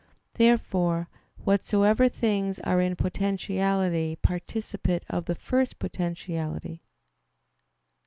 Therefore whatsoever things are in potentiality participate of the first potentiality.